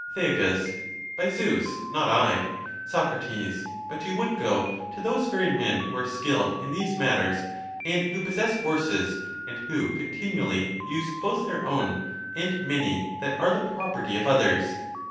Thea. By Zeus, not I. Soc. But (you would go) to those very men, who are skilled in these matters, and who possess horses, and who continually use both their own and many that are the property of others.